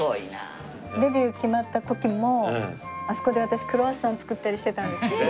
デビュー決まった時もあそこで私クロワッサン作ったりしてたんです。